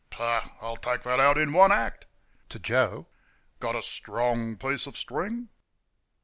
"Pooh! I'll take that out in one act!"...To Joe "Got a good strong piece of string?"